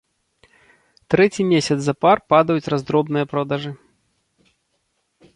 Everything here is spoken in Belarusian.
Трэці месяц запар падаюць раздробныя продажы.